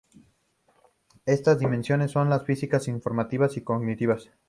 Estas dimensiones son las físicas, informativas y cognitivas.